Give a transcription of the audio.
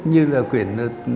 như là quyển